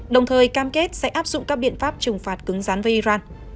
đồng thời cam kết sẽ áp dụng các biện pháp trừng phạt cứng rắn với iran